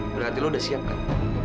berarti lu udah siap kan